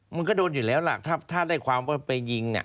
มันก็โดนอยู่แล้วล่ะถ้าได้ความว่าไปยิง